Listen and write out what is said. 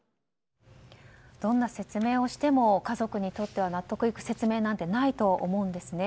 どんな説明をしても家族にとっては納得いく説明なんてないと思うんですね。